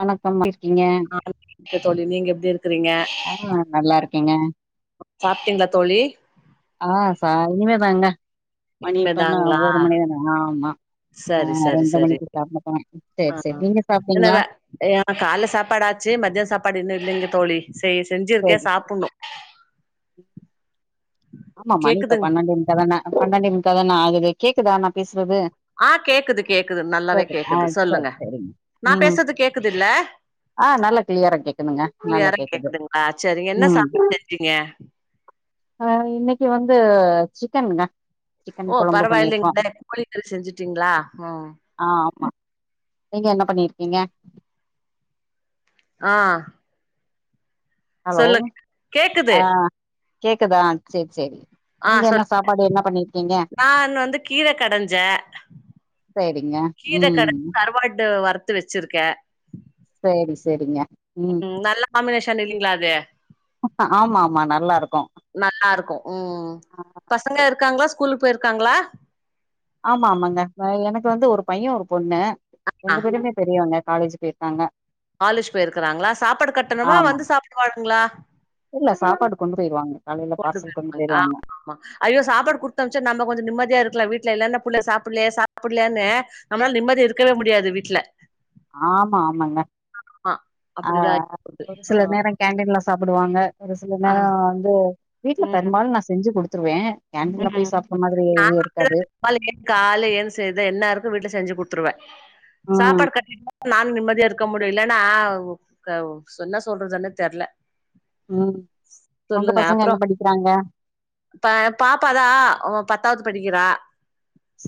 வணக்கம் எப்டி இருக்கிங்க ஆ தோழி நீங்க எப்டி இருக்கிறீங்க ஆ நா நல்லாருக் கேங்க சாப்ட்டீங்ளா தோழி இனிமே தாங்க மணி இப்பன்னா இனிமேதாங்களா ஒரு மணி தான ஆமா அ சரி சரி ரெண்டு சரி மணிக்கு சாப்ட [unintelligible] செர் ஆ செர் நீங்க என்னவ சாப்ட்டீங்ளா ஏ கால்ல சாப்பாடு ஆச்சு மத்ய சாப்பாடு இன்னு இல்லேங்க தோழி செ செஞ்சிருக்கே சாப்புண்ணோ ம் ஆமா மணி இப்ப கேக்குதுங் பன்னெண்டே முக்கா தான அ பன்னெண்டே முக்கா தான ஆகுது கேக்குதா நா பேஸ் அ கேக்குது கேக்குது நல்லாவே ஆ கேக்குது சேரி சொல்லுங்க சேரிங்க நா ம் பேசுற்து கேக்குதுல்ல ஆ நல்லா கிளியரா கேக்குதுங்க நல்லா க்ளியரா கேக்குது கேக்குதுங்ளா சேரிங்க என்ன சாப் [unintelligible] ங்க அ இன்னைக்கு வந்து சிக்கனுங்க சிக்கன் ஓ கொழம்பு பரவாயில்லைங் பண்ணிருக்கோ [unintelligible] கோழிக்கறி செஞ்சுட்டீங்ளா ம் ஆ ஆமா நீங்க என்ன பண்ணி இருக்கீங்க அ ஹலோ சொல்லு ஆ கேக்குது கேக்குதா சேரி சேரி அ நீங்க என்ன சொல்லு சாப்பாடு என்ன பண்ணிருக்கீங்க நா வந்து கீர கடஞ்சே சேரிங்க கீர கட ம் கருவாடு வரு த்து வச்சிருக்க சேரி சேரிங்க ம் நல்ல காம்பினேஷன் இல்லைங்ளா அது ஆமா ஆமா நல்லா இருக்கு நல்லாஇருக்கு ம் பசங்க இருக் காங்ளா ஸ்கூலுக் போய்ருக்காங்ளா ஆமா ஆமாங்க இப்ப எனக்கு வந்து ஒரு பையே ஒரு பொண்ணு ஆ ரெண்டு பேருமே பெரியவங்க காலேஜு போயிருக்காங்க காலேஜ் போய்ருக்குறாங்ளா சாப்பாடு கட்டணுமா ஆமா வந்து சாப்புடுவாங்ளா இல்ல சாப்பாடு கொண்டு போயிருவாங்க காலையில கொண்டு போ பார்சல் [unintelligible] வாங்ளா போயிருவாங்க ஆமா ஐயோ சாப்பாடு குடுத்தம்ச்சா நம்ம கொஞ்சோ நிம்மதியா இரு க்லா வீட்ல இல்லன்னா புள்ள சாப்புல்யே சாப்பிட்லேனு நம்மளால நிம்மதி இருக்கவே முடியாது வீட்ல ஆமா ஆமாங்க ஆ அ அப்டிதா ஆயிட்டு போது ஒரு சில ஆ நேரோ கேடீன்ல சா சாப்புடுவாங்க ஒரு சில ஆ நேரோ வந்து வீட்ல ம் பெருபாலு நா செஞ்சு குடுத் த்துடுவே ம் உம் ந [inaudible] காலேஜ கால ஏன்ச்சி எது என்ன இருக்கு வீட்ல செஞ்சு குடு துர்வே ம் சாப்பாடு கட் [inaudible] நான்ன் நிம்மதியா இருக்க முடில நா உ க உ சென்ன சொல்றதுனே தெர்ல உம் உங்க சொல்லுங்க பசங்க அப்றோ என்ன படிக்குறாங்க ப பாப்பாதா அவ பத்தாது படிக்கிறா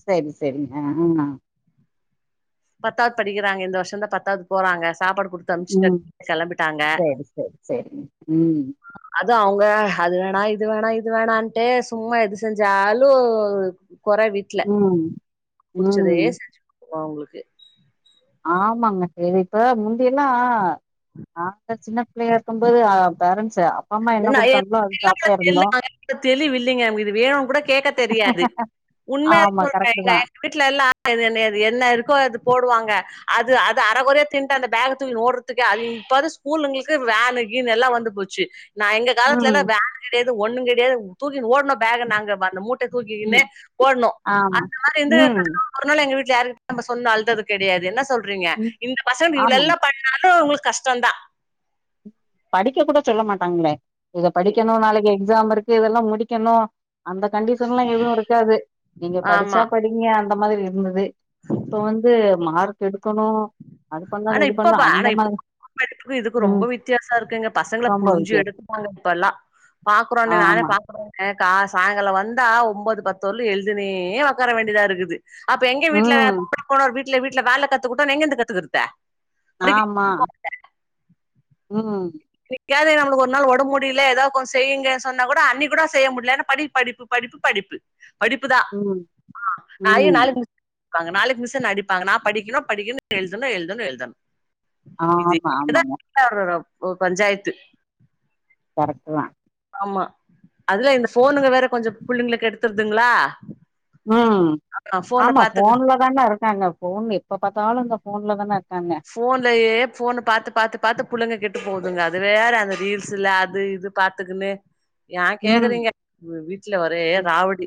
சேரி சேரிங்க ம் பத்தாத் படிக்குறாங்க இந்த வர்ஷந்தா பத்தாவ்து போறாங்க சாப்பாடு குடுத்து அம்ச்ட்ட ம் கெளம்பிட்டாங்க சேரி சேரி சேரிங்க ம் அது அவ் வ அது வேணா இது வேணா இது வேணாண்டே சும்மா எதுசெஞ்சாலூ கொற வீட்ல ம் புடிச்சதே ம் செஞ்சு வா உங்குளுக்கு ஆமாங்க சேரி இப்ப முந்தியெல்லா நாளா சின்ன பிள்ளேள அப்பம்போது ஆஹ் பேரண்ஸ்ஸ அப் நென்னா ஏர் [inaudible] இப்ப தெளிவில்லைங்க உங்கிது வேணூ கூட கேக்க தெரியாது உண்ம ஆமா கரெக்ட் தா [inaudible] வீட்லெல்லா எது என்ன ஏது என்ன இருக்கோ அது போடுவாங்க அது அது அரகொரியா தின் ப்ப அந்த பேக தூகிட் ஓடுறதுக்கே அஹ்ழி இப்பாது ஸ்கூலுங்கிளுக்கு வேனு கீன்னு எல்லா வந்து போச்சு நா எங்க ம் கால்த்துலலா வேனு கீனு எ து ஒண்ணுங் கெடுயா தூரு தின் ஓட்னோ பேக நாங்க பா அந்த மூட்ட தூக்கி இன்னு ம் ஓட்னோ ஆமா அந்த மாரி இர்ந்து [unintelligible] ம் அதுனால எங்க வீட் யாரு நம்ம சொன்னோ அழ்தது கெடுயாது என்னா சொல் றீங்க ம் இந்த பசங் ஆமா இவுளெல்லா பண்ணாலூ உங்ளுக் கஷ்டோந்தா படிக்க கூட சொல்ல மாட்டாங்ளே இத படிக்கணு நாளைக்கு எக் ஜாம் இருக்கு இதெல்லா முடிக்கணு அந்த கண்டிஷன்லா எதூ இருக்காது நீங்க படிச்சா ஆமா படிங்க அந்த மாதிரி இருந்தது இப்போ வந்து மார்க் எடு கணு அது ஆனா பண்லானு இது பண்லா இப்பப்ப ஆனா அந்த மாரி உம் உம் தா இருக்குங்க பசங்ள புளுஞ்சு எடுப்பாங்க இப்பல்லா பாக்குறோனு நானே ஆமா பாக்குறே எனக்கா சாய்ங்கலொ வந்தா ஒம்போது பத்துல்ல எழ்தினே ஒக்கார வேண்டிதா இருக்குது அப்பு எங்க வீட்லர ம் பாத்துட்டு போறார் வீட்ல வீ ட்ல வேல கத்துகுட் ப்ப நா எங்கந்து கத்துகுடுத்த ஆமா உம் பியாது நமுளுக் ஒர் நாள் ஒடம் முடியில எதா கொன் செய்யிங்க சொன்னா கூட அன்னிக் கூடோ செய்ய முட்லனா படிப் படிப்பு படிப்பு படிப்பு படிப்புதான் ம் ஆ் நாளை ம் நாளைக்கு மிஸ் ங்க நாளைக்கு மிஸ் என்ன அடிப்பாங்க நான் படிக்கணும் படிக்கணும் எழுதணும் எழுதணும் எழுதணும் இது ஆமா இத ஆமாங்க ஒரு ஓ பஞ்சாயத்து கரெக்ட தான் ஆமா அதுல இந்த போனுங்க வேற கொஞ்சோ பிள்ளங்களுக்கு எடுத்து த்துங்களா உம் ஆமா போன்லதானா இருக்காங்க போன் இப்ப பாத்தாலும் இந்த போன்ல தானே இருக்காங்க போன்லயே போதுங்க அது வேற அந்த ரீல்ஸ் இல்ல அது இது பாத்துக்குன்னு ஏன் ம் கேக்குறீங்க வீட்டுல ஒரே ராவடி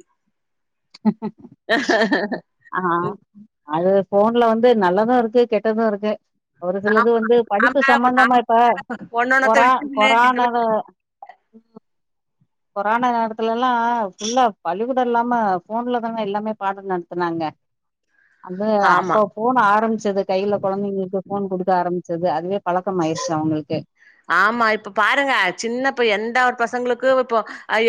ஆஹ் அது போன்ல வந்து நல்லதும் இருக்கு கெட்டதும் இருக்கு ஒரு சிலது வந்து படிப்பு சம்பந்தமா இப்ப கொற கொறானத கொரோனா நேரத்துல எல்லா ஃபுல்லா பளிகூடம் இல்லாம போன்ல தானே எல்லாமே பாட நடத்தனாங்க அது ஆமா அப்ப போன் ஆரம்பிச்சது கையில குழந்தைங்களுக்கு போன் குடுக்க ஆரம்பிச்ச து அதுவே பழக்கம் ஆயிடுச்சு அவங்களுக்கு ஆமா இப்ப பாருங்க சின்னப்ப எந்த ஒரு பசங்களுக்கு இப்போ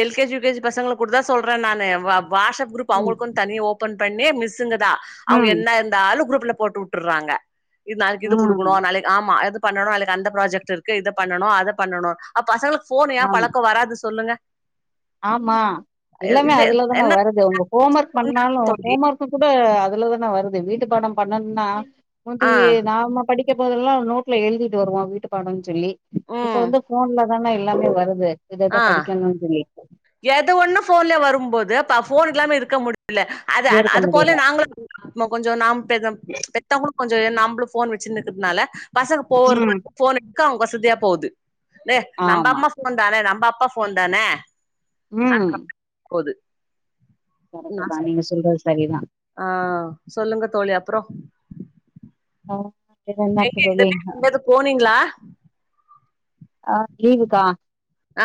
L K G U K G பசங்களுக்கு கூட தான் சொல்றேன் நானு வாட்ஸ்அப் ரூப் ம் அவங்களுக்குக்கும் தனிய ஓபன் பண்ணே மிஸ் மிஸ்ங்கதான் அவங்க ம் என்ன இருந்தாலும் குரூப்ல போட்டு உட்டுறாங்க இது நாளைக்கு இது ம் கொடுக்கணும் நாளைக்கு ஆமா அது பண்ணும் அது அந்த ப்ராஜெக்ட் இருக்கு இத பண்ணணும் அத பண்ணணு அப்ப பசங்களுக்கு போன் ஏ ஆமா பழக்கம் வராது சொல்லுங்க ஆமா எல்லாமே இல்ல அதுலதானே என்ன வருது உங்க ஹோம் ஒர்க் பண்ணாலும் தோழி ஹோம் ஒர்க்க கூட அதுலதான வருது வீட்டு படம் பண்ணும்னா முந்தி ஆ நாம படிக் இப்ப போதல்லா நோடல எழுதிட்டு வருவோ வீட்டு பாடம்னு சொல்லி இப்ப ம் வந்து போன்ல தான எல்லாமே வருது இத இத படிக்கனுன்னு சொல்லி எத ஒண்ணு போன்ல வரும்போது அ போன் எல்லாமே இருக்க முடியு இல்ல அது ஏற்க அது போல முடியல நாங்களு [unintelligible] கொஞ்சோ நாம் பெத்தங் கொஞ்சோ நம்புளு ஃபோன் வச்சின்ருக்கறதுனால பசங்கக்கு போ ம் [unintelligible] ஃபோன் [unintelligible] எடுக்க அவங்க [unintelligible] போது ண்ணே நம்ப ஆமா அம்மா ஃபோன் தானே நம்ப அப் ப்பா ஃபோன் தான ம் கரெக்ட்டு தா நீங்க சொல்றது சரிதா ஆ சொல்லுங்க தோழி அப்ற ஆ வேற என்ன எங்க இருக்கு தோழி [unintelligible] எங்கயாது போனீங்களா ஆ லீவுக்கா ஆ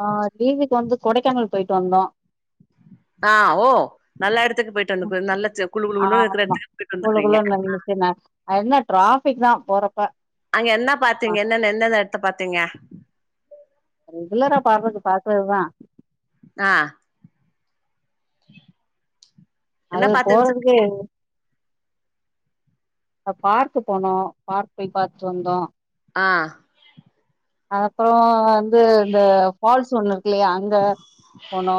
ஆ லீவுக்கு வந்து கொடைக்கானல் போயிட்டு வந்தோ ஆ ஓ நல்ல எடத்துக்கு போயிட்டு வந்துக் நல்ல ஜ குளு குளுன்னு இருக்க ஆமா எடத்துக்கு போயிட்டு வந்துருக்குறீங்க அது என்ன டிராஃபிக் தான் போறப்ப அங்க என்னா பாத்தீங் என்னன்ன என் ன்னன்ன எடத்த பாத்தீங்க ரெகுலரா பாக்றது பாத்ததுதா ஆ என்ன அது பாத்தேன்னு சொல் போறதுக்கே பார்க்கு போனோ பார்க் போய் பாத்துட் வந்தோ ஆ அது அப்ற ந்து இந்த ஃபால்ஸ் ஒண்ணு இருக்கு இல்லியா அங்க போனோ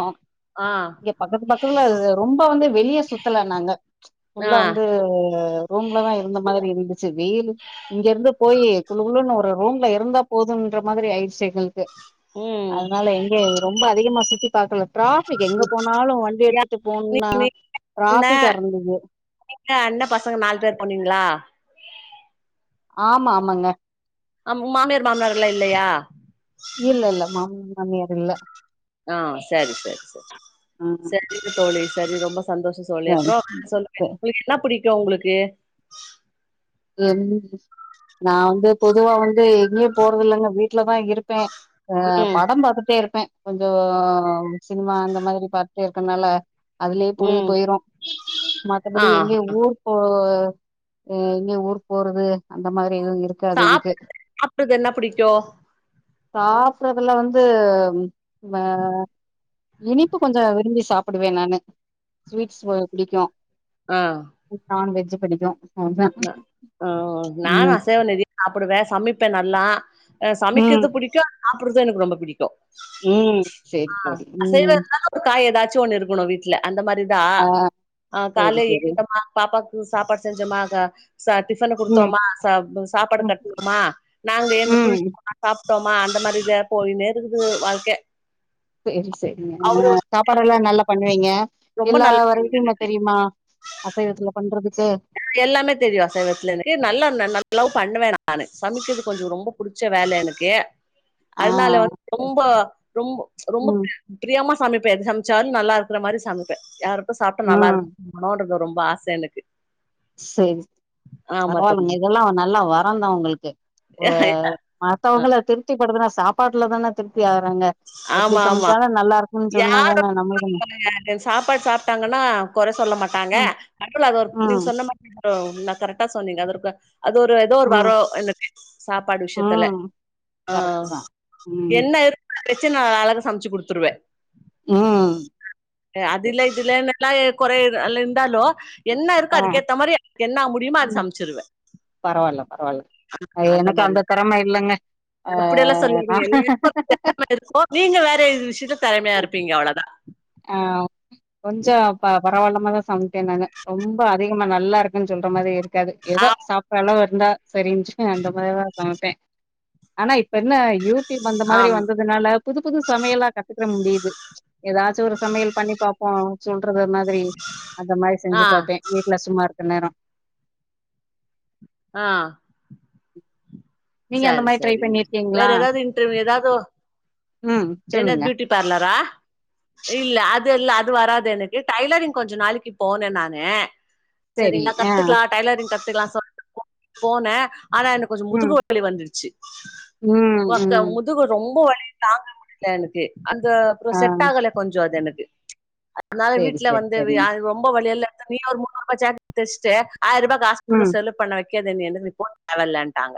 ஆ இங்க பக்கத்து பக்கத்துல ரொம்ப வந்து வெளிய சுத்தல நாங்க ஆ ஃபுல்லா வந்து ரூம்லதா இருந்த மாதிரி இருந்து செர் வெயிலு இங்கருந்து போயி குளு குளுன்னு ரூம்ல இருந்தப் போதுன்ற மாதிரி ஆயிருச்சு [unintelligible] ம் அதனால எங்க ரொம்ப அதிகமா சுத்தி பாக்கல டிராஃபிக் எங்க போனாலு வண்டி ஏ எடுத்துட்டு போணுனா அண்ண டிராஃபிக்காருந்தது ஏ அண்ண பசங்க நாலு பேர் போனீங்களா ஆமா ஆமாங்க ஆம் மாமியார் மாமனார் வீடலா இல்லையா இல்ல இல்ல மாமி மாமியார் இல்ல ஆ சரி சரி சரி ம் சரிங்க தோழி சரி ரொம்ப சந்தோஷோ தோழி சரி அப்பறோ சொல்லுங்க சரி. உங்களுக்கு என்ன பிடிக் கு உங்களுக்கு கம்மி ரைஸ் நா வந்து பொதுவா வந்து எங்கயு போறதில்லங்க வீட்லதா இருப்பே அ ம் படம் பாத்துட்டே இருப்பே. கொஞ்சோம் சினிமா அந்த மாதிரி பாத் இப்டி இருக்கனால அதுலயே பொழுது ம் போயிரு. ஆ மத்தபடி எங்கே ஊருக் போ [unintelligible] நீ ஊர்க் போறது அந்த மாரி சாப் சாப்பட்றது என்ன புடிக்கு. சாப்றதுல வந்து ம் அ இனிப்பு கொஞ்சோ விரும்பி சாப்புடுவே நானு ஸ்வீட்ஸ் அ புடிக்கு. ஆ நானுவெஜ் வெஜி புடிக்கு. அவுள்தா அ அ நானு அசைவோ நெறைய சாப்புடுவே சமைப்பே நல்லா அ சமைக்கறது ம் புடிக்கு. சாப்புட்றது எனக்கு ரொம்ப புடிக்கு. ம் சேரி சேரி ம் ச்சு ஒன்னு இருக்கனு வீட்ல அந்த மாரி இதுதா ஆ ஆ சரி கால்ல சரி எழுந்தமா பாப்பாக் ம் சாப்பாடு செஞ்சோமா தா ச டிஃபன ம் குடுத்தோமா ச சாப் சாப்பாடு ம் கட்னோமா நாங்க எந்து ம் [inaudible] சாப்டோம் ஆ அந்த மாரிதா போயினே இருக்குது வாழ்க்கை சேரி சேரிங்க ஆ சாப்பாடெல்லா நல்லா பண்ணுவீங்க ரொம்ப எல்லா நல்ல வெரைட்டியு பண்ண தெரியுமா அசைவத்துல பண்றது எல்லாமே தெரியு அசைவத்துல எனக்கு நல்லா நல்லாவு பண்ணுவே நா நானு சமைச்சது கொஞ்ச ரொம்ப புடிச்ச வேல எனக்கு ஆ அதனால வந்து சரி. ரொம்பொ ரொம்பொ ரொம்பொ ம் ப்ரியமா சமைப்பே எது சமிச்சாலு நல்லாருக்ற மாரி சமைப்பே யா சாப்ட்டா ம் நல்லாருக்கு மனோன்ருக்கு ரொம் வாச எனக்கு செரி ஆமா பரவால்லங்க தோழி இதெல்லா நல்ல வரந்தா உங்களுக்கு ப்ப மத்தவங்கள திருப்திபடுத்துனா சாப் பாடுல தான அது ஆமா ஆமா இருக்குன்னு யாரு [inaudible] சொன்னாதான நம்மளுக்குன்னு சாப்பாடு சாப்ட்டாங்கன்னா கொறை சொல்ல மாட்டாங்க ம் அதுல அது ஒரு நீங்க ம் சொன்ன மாரி அப்பறோ நா கரெக்டா சொன்னீங்க அதற்கு அது ஒரு ஏதோ ஒரு ம் வரோ எனக்கு சாப்பாடு விஷயத்துல ம் ஆ கரெக்ட்டு தா ம் என்ன இருக் பிரச்சனை நா அழகா சமைச்சி குடுத்துருவே ம் அது சரி இல்ல இது இல்லன்னு என்ன கொற அதுல இருந்தாலு என்ன இருக்கோ ஆ அதுக்கேத்த மாரி என்ன முடியுமோ அத ம் சமச்சிருவே பரவால்ல பரவால்ல அந்த எனக்கு மாரிதா திறம இல்லங்க ஆ இப்டியெல்லா நா சொல்லாதீங்க என்னய பாத் [unintelligible] நீங்க வேற இந்த விஷ்யத்து தெறய்மையா இருப்பீங்க அவ்ளதா அவ் கொஞ்சோ பாக் பரவால்லாமதா சம்ட்டேனாங்க ரொம்ப அதிகமா நல்லா இருக்குன் சொல்ற மாதியே இர் காது எதோ சாப்றல்லவர் இந்தா சரின்ச்சு அந்த மாய்தா சமப்பே ஆனாய் பென்ன யூட்யூப் அந்த மாதிரி ஆம் வந்ததுனால புது புது சமையலா கத்துக்குட முடித் து ஏதாச்சொரு சமையல் பண்ணி பாப்போ சொல்றது மாதிரி அந்த மாரி ஆ செஞ்சு பாாப்பே வீட்ல சுமார் என்நேரு ஆ நீங்க அந்த சரி மாரி ட்ரை சரிங்க வேற பண்ணிருக்கீங்களா ஏதாவ் இன்டர்வி ஏதாதோ ம் என்னத் சொல்லுங்க ப்யூட்டி பார்லரா இல்ல அத் இத்இல்ல அது வராது எனுக்கு டைலரிங் கொஞ்சு நாளிக்கு போனே நானே சரி சரிங்க நா ஆ கத்துக்லா டைலரிங் கத் ட்டுதா சொல்ணு ஃபோன ஆனா எனக்கு கொஞ்சோ ம் முதுகு வலி வந்துருச்சி ம் ஒக்கா ம் முதுகு ரொம்ப வலி தாங்க முடில எனக்கு அந்த அப்பறோ ஆ செட் ஆகல கொஞ்சோ அது எனக்கு அதனால செரி வீட்ல செரி வந்து ஆ செரிங்க ரொம்ப வலியல்ல தனியா ஒரு முந்நூறு ரூபா ஜாக்கெட் தச்ட்டு ஆயர்ருபா காசுக்குள்ள ம் செலவு பண்ண வெ [unintelligible] தேவ இல்லன்ட்டாங்க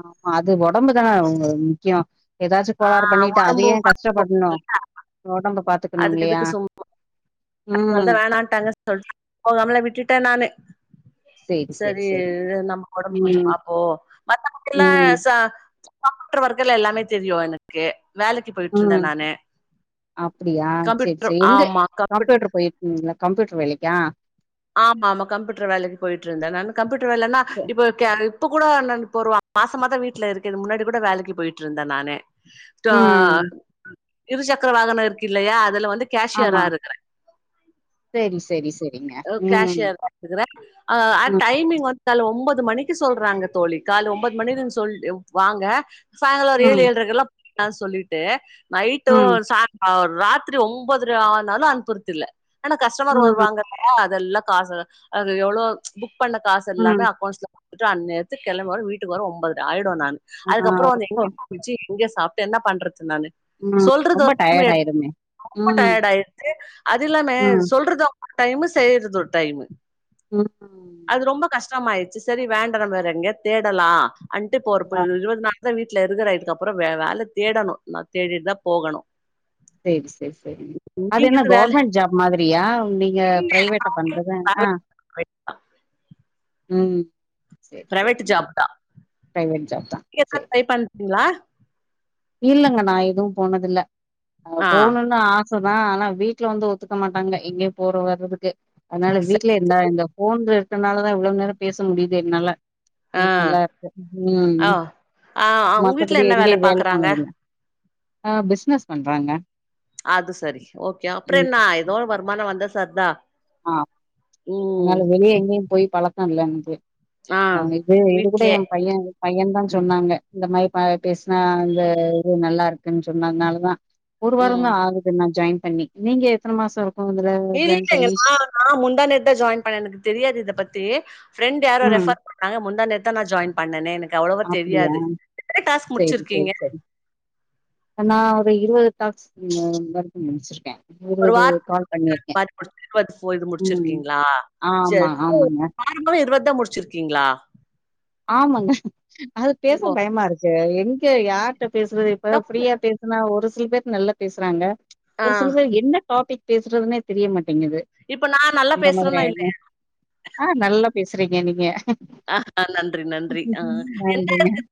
ஆமா அது ஒடம்புதா அவங்களுக்கு முக்கிய எதாச்சு கோளறு ஆஹ் பண்ணிட்டு அத உடம்பு ஏ கஷ்டப்பட்ணு ஒடம்ப பாத்துக்கணுமில்லையா அதனாலதா வேணான்ட்டாங்கன் சொல்ட்டு போகாமலே விட்டுட்ட நானு சேரி சேரி சரி சேரிங்க நம்ம ஒடம்பு கொஞ்ச ம் பாப்போ மத்ததுக்கெல்லா ம் ச [unintelligible] கள் எல்லாமே தெரியு எனக்கு வேலைக்கு போய்ட்ருந்த ம் நானு அப்டியா சேரி கம்ப்யூட்ரு சேரி எங்க ஆமா கம் கம்ப்யூட்டர் போயிருக்கிங்ளா கம்ப்யூட்டர் வேலைக்கா ஆமா ஆமா கம்ப்யூட்டர் வேலைக்கு போயிட்ருந்த நானு கம்ப்யூட்டர் வேலன்னா ச இப்ப கேல் இப்ப கூட நான் இப்ப ஒரு மாசமாதா வீட்ல இருக்க முன்னாடி கூட வேலைக்கு போயிட்ருந்த நானு ட ம் இருசக்கர வாகன இருக்கு இல்லையா அதுல வந் ஆமா செரி செரி செரி அ கேஷியரா இருக்கற ஆ ம் டைமிங் வந் து காலைல ஒம்பது மணிக்கு சொல்றாங்க தோழி காலல ஒம்பது மணின்னு சொல்டு வாங்க சாங்கால ஒரு ஏழு ம் ஏழ்ரைக்கெலா நா சொல்லிட்டு நைட்டு ம் சா ராத்திரி ஒம் பதர ஆனாலு அனுப்பறதில்ல ஆனா கஸ்டமர் ம் வருவாங்க ஆ அதெல்லா காசு அது எவ்ளோ புக் பண்ண காசெல்லாமே ம் அக்கௌண்ட்ஸ்ல விட்டுட்டு அன்னேரத்துக்கு கெளம் வர வீட்டுக்கு வர ஒமபோதர ஆயிடு நான் ஆ அதுக்கப்பற வந்து ரொம்ப எங்க குளிச்சு எங்க சாப் என்ன பண்றது நானு ம் சொல்றது ரொம்ப ஒரு டைம் டயர்ட் எடு ஆயிருமே ரொம்ப ம் டயர்டாயிடுது அதில்லாமே ம் சொல்றது ஒரு டைமு செய்யறது ஒரு டைமு ம் டமாயிடுச்சு செரி வேண்டா நம்ம வேறெங்யாது தேடலா வண்ட்டு இப்போ ஒரு ப ஆ இருவது நா அத்த வீட்டுல இருக்கற இதுக்கு அப்பறம் வேற வேல தேடணும் நா தேடிட்டு தா போகணும் செரி செரி செரி அது நீங்க என்ன எது வேல கவர்மெண்டட் ஜாப் மாதிரியா நீங்க பிரைவேட்ட பண்றது ஆ ம் சேரி பிரவேட் சேரிங்க ஜாப் தா பிரைவேட் ஜாப் தா நீங்க எதுனா ட்ரை பண்றீங்களா இல்ங்க நா எதுவும் போனதில்ல அ ஆ போகணும்னு ஆ சைதா ஆனா வீட்டுல வந்து ஒத்துக்க மாட்டாங்க எங்கேயு போற வர்றதுக்கு அதனால சரி. வீட்ல இருந்தா எங்க போன் இதனால தா இவ்ளோ நேரம் பேச முடியுது என்னால ஆ இது நல்லா இருக்கே உம் ஆ ஆ உங்க வீட்ல மத்தபடி என்ன எங்கய வேல பாக்குறாங்க போனதில்ல ஆ பிசினஸ் பண்றாங்க அது சரி ஓகே அப்பறம் ம் என்னா ஏதோ வருமானம் வந்தா தந்தா ஆ அதனால வெளியே எங்கயும் போயி பழக்கம் இல்ல எனக்கு ஆ அ இது இது கூட வீட்லயே என் பையன் பையன் தா ம் சொன்னாங்க இந்த மாரி ப பேசினா அந்த இது நல்லா இருக்குன்னு சொன்னதுனாங்க அதனாலதா ஒரு வாரம ம் தா ஆகுது நா ஜாயின் பண்ணி நீங்க எத்தன மாசம் இரு இதுல ஜாயின் பண்ணி ஆ முந்தா நேத்துதா ஜாயின் பண்ண எனக்கு தெரியாது இத பத்தி ப்ரெண்ட் யாரோ ம் ரெஃபர் பண்ணாங்க முந்தா நேத்துதா நா ஜாயின் பண்ணேனே எனக்கு அவ்ளவா அப்டியா தெரியாது என்ன டாஸ்க் சேரி முடிச்சிருக்கீங்க சேரி சேரி நா [unintelligible] முடிச்சிருக்கே ஒரு இருவது கால் வாரத்துக்கு பண்ணிருக்கே [unintelligible] இருபது இது ம் முடிச்சிருக்கிங்களா ம சேரி ஆமா ஆமாங்க வார [unintelligible] தா முடிச்சிருக்கீங்களா ஆமாங்க அது பேச ஓ பயமா இருக்கு லே இங்க யா ட்ட பேசுறது இப்ப தப்பு ஃப்ரியா பேசுனா ஒன்னு சில பேர் நல்லா பேசுறாங்க ஆ ஒரு சில போ என்ன டாபிக் பேசுறதுனே தெரிய மாட்ட ங்குது இப்ப நா நல்லா எந்த பேசுறேனா மாதிரி இல்லையா அ நல்ல பேசுறீங்க நீங்க அ ஆஹ் நன்றி நன்றி ஆஹ் நன்றி. என்ன